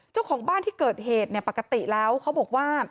เจ้าของบ้านที่เกิดเหตุเนี่ยปกติแล้วเขาบอกว่า